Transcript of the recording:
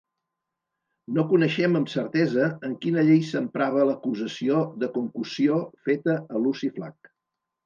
No coneixem amb certesa en quina llei s’emprava l’acusació de concussió feta a Luci Flac.